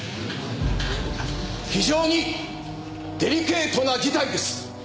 非常にデリケートな事態です。